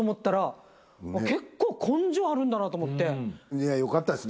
いやよかったですね。